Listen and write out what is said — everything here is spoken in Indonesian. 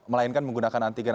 melainkan menggunakan antigen